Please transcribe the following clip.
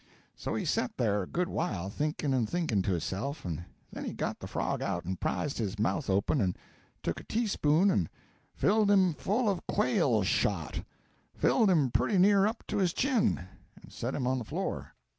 So he set there a good while thinking and thinking to hisself, and then he got the frog out and prized his mouth open and took a teaspoon and filled him full of quail shot filled him pretty near up to his chin and set him on the floor.